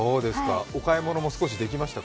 お買い物も少しできましたか？